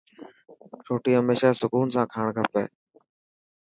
روٽي هميشه سڪون سان کاڻ کپي.